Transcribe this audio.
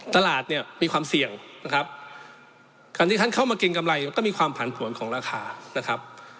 ตลาดเนี่ยมีความเสี่ยงนะครับการที่ท่านเข้ามาเกรงกำไรมันก็มีความผันผวนของราคานะครับ